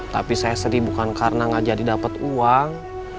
tapi saya sedih bukan karena gak jadi dapat uang